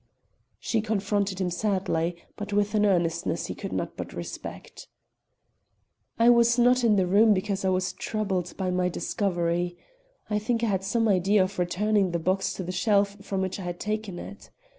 _" She confronted him sadly, but with an earnestness he could not but respect. "I was not in the room because I was troubled by my discovery. I think I had some idea of returning the box to the shelf from which I had taken it.